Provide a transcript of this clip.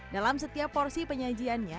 dalam setiap porsi penyajiannya